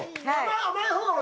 はい。